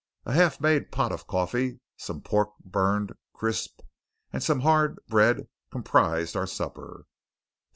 A half made pot of coffee, some pork burned crisp, and some hard bread comprised our supper.